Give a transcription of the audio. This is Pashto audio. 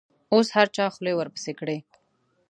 اوس هر چا خولې ورپسې کړي.